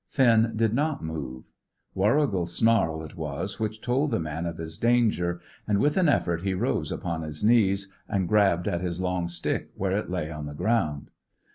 Finn did not move. Warrigal's snarl it was which told the man of his danger, and, with an effort, he rose upon his knees, and grabbed at his long stick where it lay on the ground.